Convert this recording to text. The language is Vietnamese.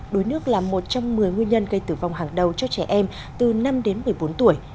đuối nước là một trong một mươi nguyên nhân gây tử vong hàng đầu cho trẻ em từ năm đến một mươi bốn tuổi